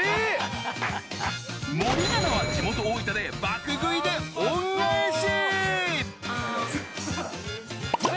森七菜は地元・大分で爆食いで恩返し！